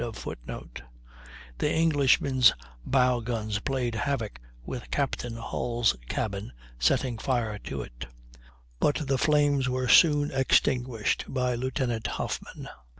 ] The Englishman's bow guns played havoc with Captain Hull's cabin, setting fire to it; but the flames were soon extinguished by Lieutenant Hoffmann.